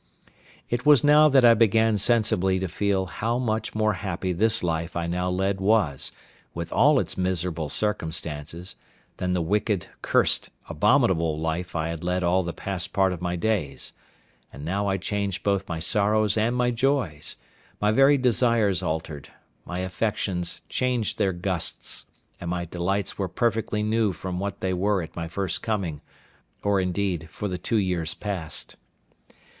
It was now that I began sensibly to feel how much more happy this life I now led was, with all its miserable circumstances, than the wicked, cursed, abominable life I led all the past part of my days; and now I changed both my sorrows and my joys; my very desires altered, my affections changed their gusts, and my delights were perfectly new from what they were at my first coming, or, indeed, for the two years past.